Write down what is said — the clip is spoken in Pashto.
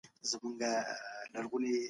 د لنډو کیسو برخې مې حتماً لوستې.